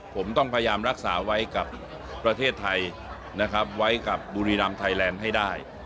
ผมต้องพยายามรักษาไว้กับประเทศไทยนะครับไว้กับบุรีรำไทยแลนด์ให้ได้